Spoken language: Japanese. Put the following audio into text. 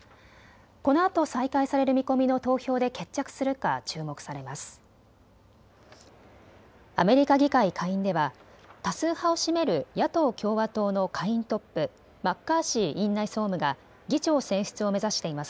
このあと再開される見込みの投票で決着するか注目されます。